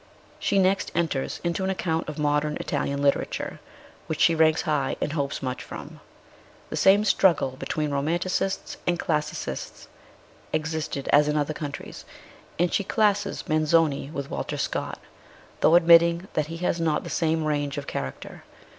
She next enters into an account of modern Italian litera ture, which she ranks high, and hopes much from. The same struggle between romanticists and classi cists existed as in other countries; and she classes Manzoni with Walter Scott, though admitting that he has not the same range of character.